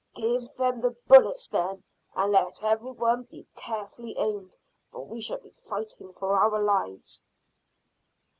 "Give them the bullets then, and let every one be carefully aimed, for we shall be fighting for our lives."